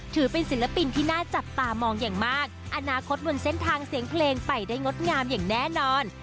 ถือเป็นศิลปินที่น่าจับตามองอย่างมากอนาคตบนเส้นทางเสียงเพลงไปได้งดงามอย่างแน่นอน